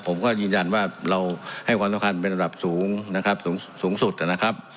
ผมก็ยืนยันว่าเราให้ความสำคัญเป็นระดับสูงนะครับสูงสุดนะครับ